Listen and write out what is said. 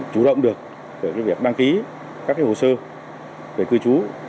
chủ động được về việc đăng ký các hồ sơ về cư chú